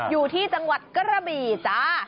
อยู่ที่จังหวัดกระบี่จ้า